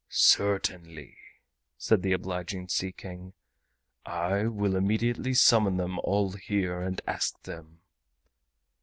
"Certainly," said the obliging Sea King, "I will immediately summon them all here and ask them."